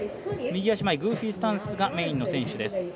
右足前、グーフィースタンスがメインの選手です。